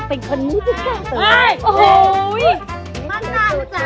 คุณพ่อมีลูกทั้งหมด๑๐ปี